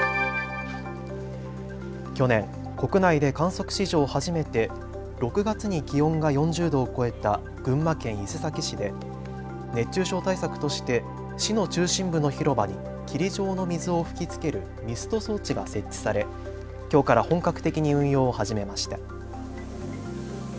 去年、国内で観測史上初めて６月に気温が４０度を超えた群馬県伊勢崎市で熱中症対策として市の中心部の広場に霧状の水を吹きつけるミスト装置が設置されきょうから本格的に運用を始めました。